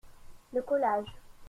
Le collage.